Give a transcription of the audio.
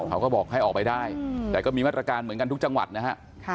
เขาก็บอกให้ออกไปได้แต่ก็มีมาตรการเหมือนกันทุกจังหวัดนะฮะ